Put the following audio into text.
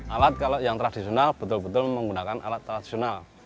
alat kalau yang tradisional betul betul menggunakan alat tradisional